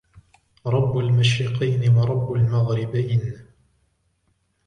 رَبُّ الْمَشْرِقَيْنِ وَرَبُّ الْمَغْرِبَيْنِ